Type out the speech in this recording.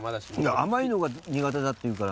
甘いのが苦手だって言うから。